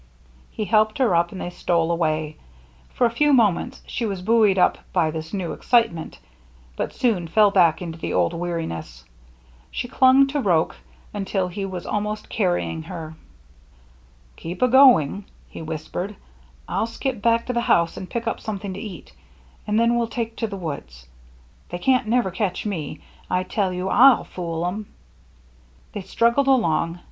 He helped her up, and they stole away. For a few moments she was buoyed up by this new excitement, but soon fell back into the old weariness. She clung to Roche until he was almost carrying her. " Keep a going," he whispered. " I'll skip back to the house and pick up something to eat, and then we'll take to the woods. They can't never catch me, I tell you. rn fool 'em." They struggled along.